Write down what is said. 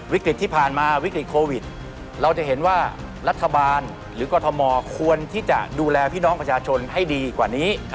วิกฤตที่ผ่านมาวิกฤตโควิดเราจะเห็นว่ารัฐบาลหรือกรทมควรที่จะดูแลพี่น้องประชาชนให้ดีกว่านี้